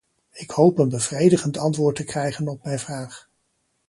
Ik hoop een bevredigend antwoord te krijgen op mijn vraag.